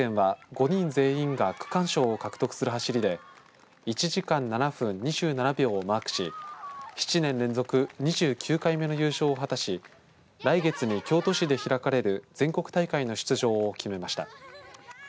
神村学園は、５人全員が区間賞を獲得する走りで１時間７分２７秒をマークし７年連続２９回目の優勝を果たし来月に京都市開かれる全国大会の出場を決めました。